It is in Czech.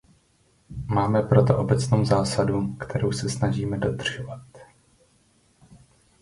Máme proto obecnou zásadu, kterou se snažíme dodržovat.